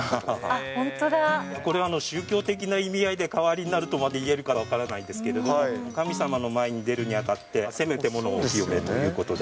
これ、宗教的な意味合いで代わりになるとまでいえるかどうかは分からないんですけど、神様の前に出るにあたって、せめてものお清めということで。